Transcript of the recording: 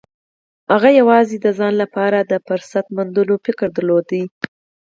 هغه يوازې د ځان لپاره د فرصت موندلو فکر درلود.